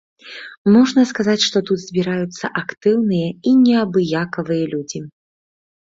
Можна сказаць, што тут збіраюцца актыўныя і неабыякавыя людзі.